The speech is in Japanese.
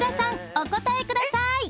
お答えください